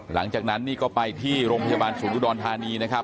หลังจากนั้นนี่ก็ไปที่โรงพยาบาลศูนย์อุดรธานีนะครับ